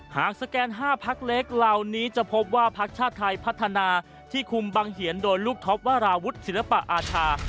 สแกน๕พักเล็กเหล่านี้จะพบว่าพักชาติไทยพัฒนาที่คุมบังเหียนโดยลูกท็อปวราวุฒิศิลปะอาชา